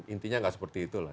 intinya nggak seperti itu lah